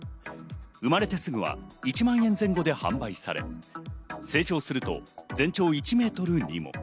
生まれてすぐは１万円前後で販売され、成長すると全長１ｍほどに。